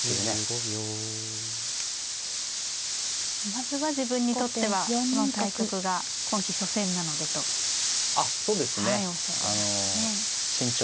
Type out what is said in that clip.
まずは自分にとってはこの対局が今期初戦なのでとおっしゃってましたね。